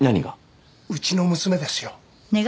うちの娘ですよ